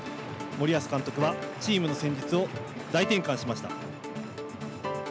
森保監督はチームの戦術を大転換しました。